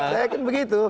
ya kan begitu